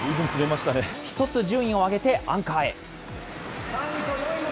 １つ順位を上げてアンカーへ。